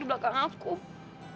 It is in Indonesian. lu bisa jugak di rumah ajaidsnya